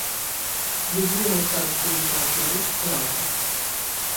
Люблю мастацкую літаратуру, тэатр.